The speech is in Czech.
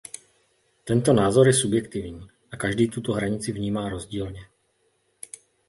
Tento názor je subjektivní a každý tuto hranici vnímá rozdílně.